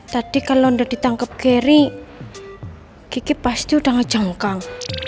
tadi kalau udah ditangkep gary kiki pasti udah ngejangkang